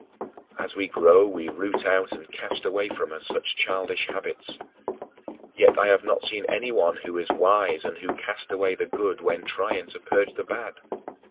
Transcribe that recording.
As we grow we root out and cast away from us such childish habits. Yet I have not seen anyone who is wise who cast away the good when trying to purge the bad.